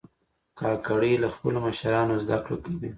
کاکړي له خپلو مشرانو زده کړه کوي.